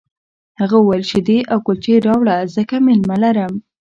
هغه وویل شیدې او کلچې راوړه ځکه مېلمه لرم